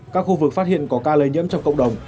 các khu vực phát hiện có ca lây nhiễm trong cộng đồng